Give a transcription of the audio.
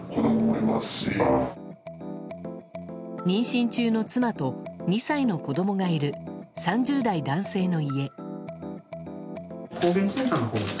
妊娠中の妻と２歳の子供がいる３０代男性の家。